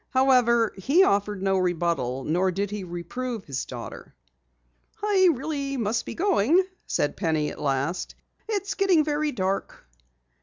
However, he offered no rebuttal, nor did he reprove his daughter. "I really must be going," said Penny at last. "It's getting very dark."